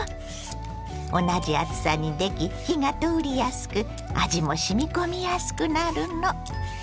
同じ厚さにでき火が通りやすく味もしみ込みやすくなるの。